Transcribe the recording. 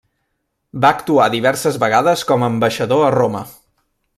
Va actuar diverses vegades com ambaixador a Roma.